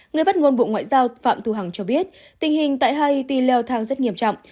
người phát ngôn bộ ngoại giao phạm thu hằng cho biết tình hình tại haiti leo thang rất nghiêm trọng